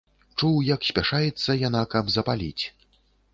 Чуў, як спяшаецца яна, каб запаліць.